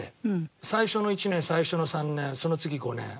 最初の１年最初の３年その次５年。